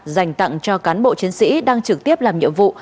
dành tặng cho cán bộ chiến sĩ đang trực tiếp làm nhiệm vụ